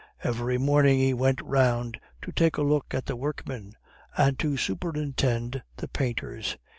Every morning he went round to take a look at the workmen and to superintend the painters.